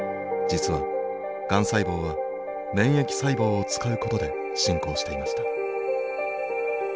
実はがん細胞は免疫細胞を使うことで進行していました。